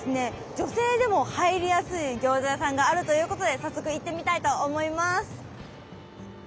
女性でも入りやすい餃子屋さんがあるということで早速行ってみたいと思います。